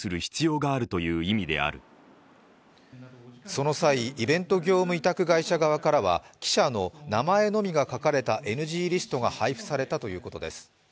その際、イベント業務委託会社側からは記者の名前のみが書かれたＮＧリストが配布されたということです。